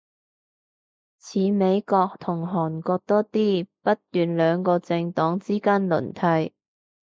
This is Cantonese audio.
似美國同韓國多啲，不斷兩個政黨之間輪替